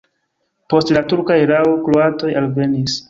Post la turka erao kroatoj alvenis.